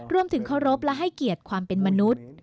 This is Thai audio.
รวมถึงเคารพและให้เกียรติความเป็นมนุษย์